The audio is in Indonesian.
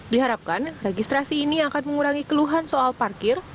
diharapkan registrasi ini akan mengurangi keluhan soal parkir